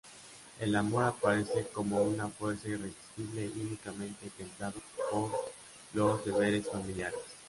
El amor aparece como una fuerza irresistible y únicamente templado por los deberes familiares.